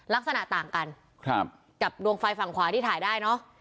ลักษณะต่างกันครับกับดวงไฟฝั่งขวาที่ถ่ายได้เนอะ